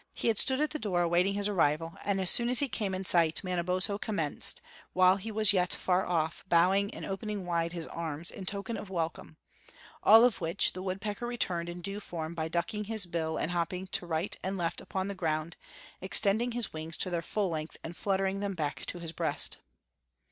He had stood at the door awaiting his arrival, and as soon as he came in sight Manabozho commenced, while he was yet far off, bowing and opening wide his arms in token of welcome; all of which the woodpecker returned in due form by ducking his bill and hopping to right and left upon the ground, extending his wings to their full length and fluttering them back to his breast.